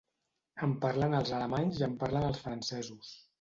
En parlen els alemanys i en parlen els francesos.